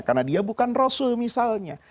karena dia bukan rasul misalnya